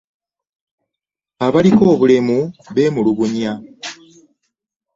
Abaliko obulemu bemulugunya.